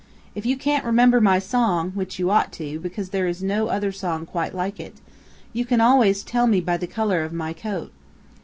If you can't remember my song, which you ought to, because there is no other song quite like it, you can always tell me by the color of my coat.